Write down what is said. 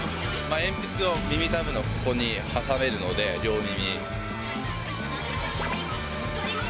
鉛筆を耳たぶのここに挟めるので両耳。